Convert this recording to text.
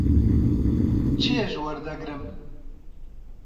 چێژ وەردەگرم.